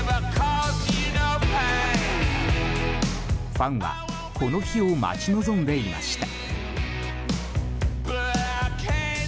ファンはこの日を待ち望んでいました。